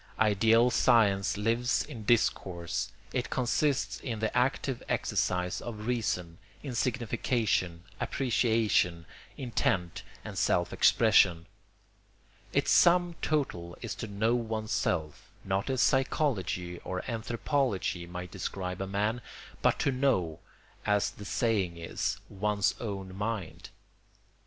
Ideal science lives in discourse; it consists in the active exercise of reason, in signification, appreciation, intent, and self expression. Its sum total is to know oneself, not as psychology or anthropology might describe a man, but to know, as the saying is, one's own mind.